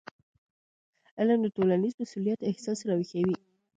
علم د ټولنیز مسؤلیت احساس راویښوي.